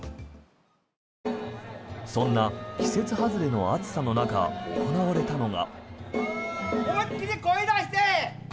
そんな季節外れの暑さの中行われたのは。